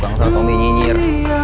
bukan sombong nyinyir